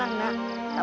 tuhan tuhan tuhan